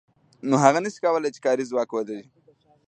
نو هغه نشي کولای چې کاري ځواک ولري